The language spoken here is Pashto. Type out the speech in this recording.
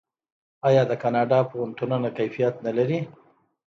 آیا د کاناډا پوهنتونونه کیفیت نلري؟